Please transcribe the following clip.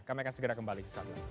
kami akan segera kembali